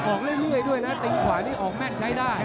ออกเรื่อยด้วยนะติ่งขวานี่ออกแม่นใช้ได้